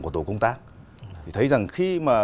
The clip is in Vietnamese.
của tổ công tác thấy rằng khi mà